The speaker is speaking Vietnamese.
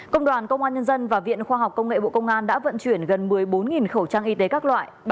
công đoàn công an nhân dân và viện khoa học công nghệ bộ công an đã vận chuyển gần một mươi bốn khẩu trang y tế các loại